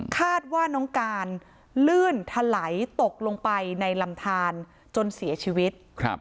คาดว่าน้องการลื่นถลายตกลงไปในลำทานจนเสียชีวิต